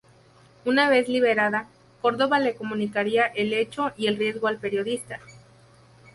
Una vez liberada, Córdoba le comunicaría el hecho y el riesgo al periodista.